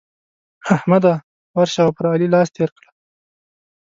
احمده! ورشه او پر علي لاس تېر کړه.